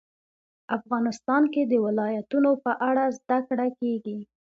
افغانستان کې د ولایتونو په اړه زده کړه کېږي.